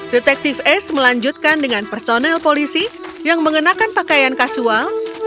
detektif ace melanjutkan dengan personel polisi yang mengenakan pakaian kasual